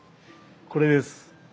これです。